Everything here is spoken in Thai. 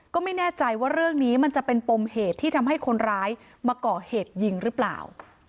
ก็ไม่แน่ใจว่าเรื่องนี้มันจะเป็นปมเหตุที่ทำให้คนร้ายมาก่อเหตุยิงหรือเปล่า